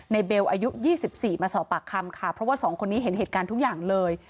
เบลอายุ๒๔มาสอบปากคำค่ะเพราะว่าสองคนนี้เห็นเหตุการณ์ทุกอย่างเลย